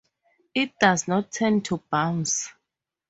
It does not tend to bounce.